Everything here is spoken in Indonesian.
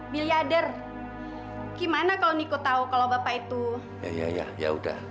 baik pak tony